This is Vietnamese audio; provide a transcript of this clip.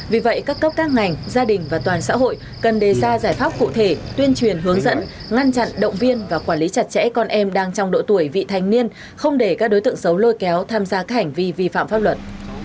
vì vậy các cấp các ngành gia đình và toàn xã hội cần đề ra giải pháp cụ thể tuyên truyền hướng dẫn ngăn chặn động viên và quản lý chặt chẽ con em đang trong độ tuổi vị thanh niên không để các đối tượng xấu lôi kéo tham gia các hành vi vi phạm pháp luật